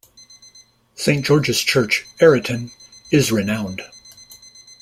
Saint George's Church, Arreton is renowned.